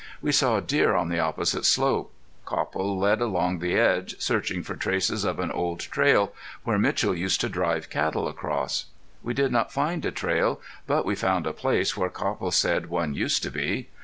We saw deer on the opposite slope. Copple led along the edge, searching for traces of an old trail where Mitchell used to drive cattle across. We did not find a trail, but we found a place where Copple said one used to be.